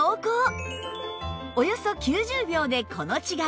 およそ９０秒でこの違い